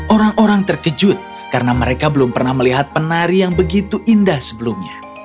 orang orang terkejut karena mereka belum pernah melihat penari yang begitu indah sebelumnya